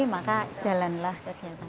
maka jalanlah ke kemasan